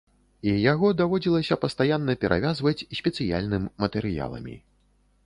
І яго даводзілася пастаянна перавязваць спецыяльным матэрыяламі.